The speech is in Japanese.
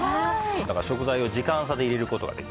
だから食材を時間差で入れる事ができますから。